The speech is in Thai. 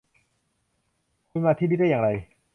คุณมาที่นี่ได้อย่างไร ?